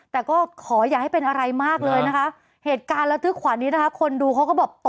แต่ก็ขออย่าให้เป็นอะไรมากเลยนะคะเหตุการณ์ระทึกขวัญนี้นะคะคนดูเขาก็บอก